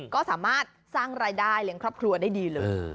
ก็สามารถสร้างรายได้เลี้ยงครอบครัวได้ดีเลย